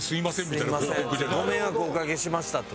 「ご迷惑をおかけしました」って。